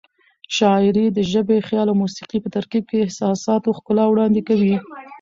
شاعري د ژبې، خیال او موسيقۍ په ترکیب د احساساتو ښکلا وړاندې کوي.